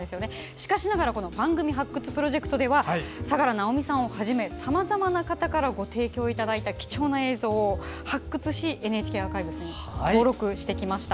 しかしながら、この番組発掘プロジェクトでは佐良直美さんをはじめさまざまな方からご提供いただいた貴重な映像を発掘しＮＨＫアーカイブスに登録してきました。